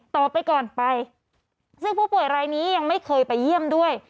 ต่อไปก่อนไปซึ่งผู้ป่วยรายนี้ยังไม่เคยไปเยี่ยมด้วย